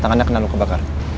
tangannya kena luka bakar